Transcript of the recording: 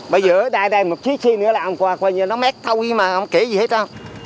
bây giờ đài đài một chiếc chi nữa là ông quà quà như nó mét thâu đi mà ông kể gì hết á